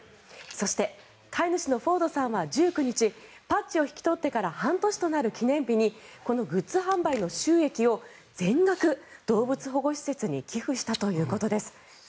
そして飼い主のフォードさんは１９日パッチを引き取ってから半年となる記念日にこのグッズ販売の収益を全額動物保護施設に寄付したということです。